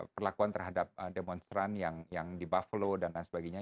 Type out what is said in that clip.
perlakuan terhadap demonstran yang di buffle dan lain sebagainya